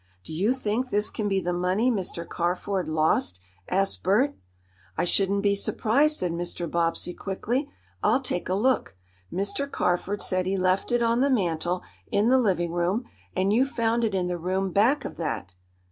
"Do you think this can be the money Mr. Carford lost?" asked Bert. "I shouldn't be surprised," said Mr. Bobbsey, quickly. "I'll take a look. Mr. Carford said he left it on the mantel in the living room, and you found it in the room back of that.